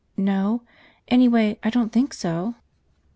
"No. Anyway, I don't think so."